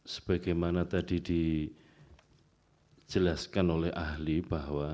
sebagaimana tadi dijelaskan oleh ahli bahwa